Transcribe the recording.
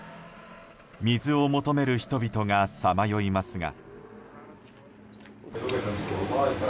水を求める人々がさまよいますが。